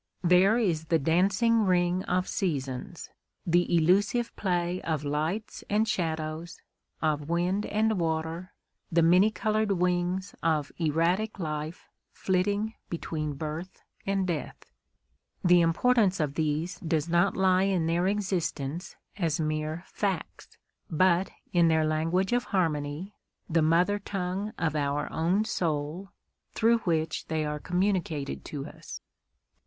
There is the dancing ring of seasons; the elusive play of lights and shadows, of wind and water; the many coloured wings of erratic life flitting between birth and death. The importance of these does not lie in their existence as mere facts, but in their language of harmony, the mother tongue of our own soul, through which they are communicated to us.